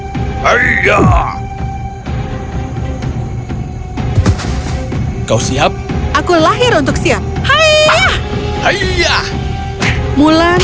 tidak adanyafast lagu lagu lain